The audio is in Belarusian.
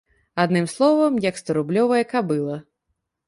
Адным словам, як сторублёвая кабыла.